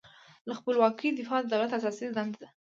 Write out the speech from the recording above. له خپلواکۍ دفاع د دولت اساسي دنده ده.